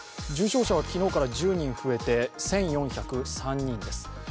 重症者は昨日から１０人増えて１４０３人です。